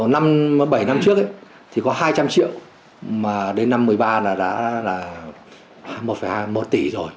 bảy năm trước thì có hai trăm linh triệu mà đến năm hai nghìn một mươi ba là một tỷ rồi